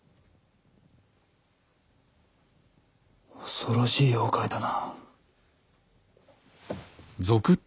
恐ろしい妖怪だな。